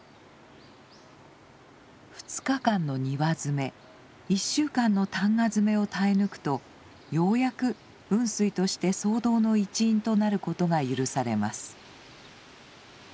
２日間の庭詰１週間の旦過詰を耐え抜くとようやく雲水として僧堂の一員となることが許されます。